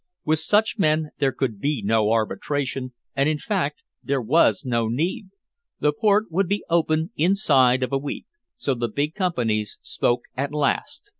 With such men there could be no arbitration, and in fact there was no need. The port would be open inside of a week. So the big companies spoke at last.